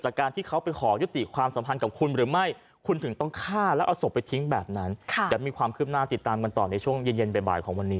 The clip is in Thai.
ฉันเสียใจมากจ้ะ